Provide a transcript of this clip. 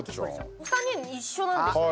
お三人、一緒なんですよね。